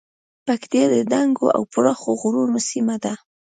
پکتیا د دنګو او پراخو غرونو سیمه ده